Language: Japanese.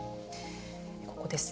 ここです。